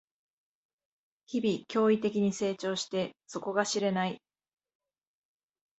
日々、驚異的に成長して底が知れない